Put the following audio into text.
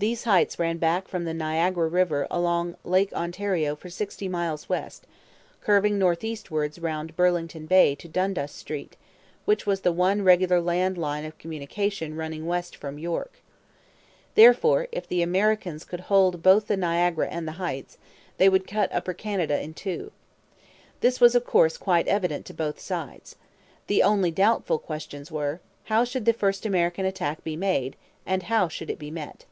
These heights ran back from the Niagara river along Lake Ontario for sixty miles west, curving north eastwards round Burlington Bay to Dundas Street, which was the one regular land line of communication running west from York. Therefore, if the Americans could hold both the Niagara and the Heights, they would cut Upper Canada in two. This was, of course, quite evident to both sides. The only doubtful questions were, How should the first American attack be made and how should it be met?